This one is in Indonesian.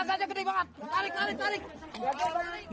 tandang saja gede banget tarik tarik tarik